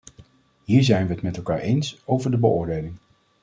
Hier zijn we het met elkaar eens over de beoordeling.